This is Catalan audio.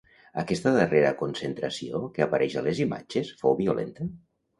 Aquesta darrera concentració que apareix a les imatges, fou violenta?